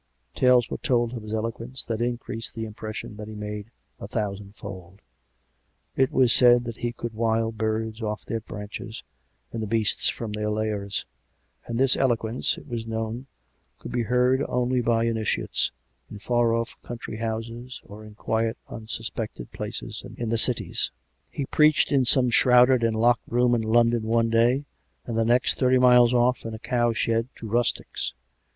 Tales were told of his eloquence 148 COME RACK! COME ROPE! that increased the impression that he made a thousand fold; it was said that he could wile birds off their branches and the beasts from their lairs ; and this eloquence, it was known, could be heard only by initiates, in far off country houses, or in quiet, unsuspected places in the cities. He preached in some shrouded and locked room in London one day ; and the next, thirty miles off, in a cow shed to rustics.